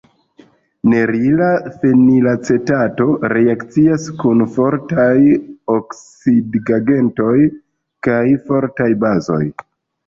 Nerila fenilacetato reakcias kun fortaj oksidigagentoj kaj fortaj bazoj.